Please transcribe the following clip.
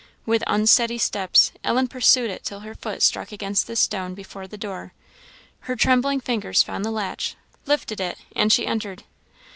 With unsteady steps, Ellen pursued it till her foot struck against the stone before the door. Her trembling fingers found the latch lifted it and she entered.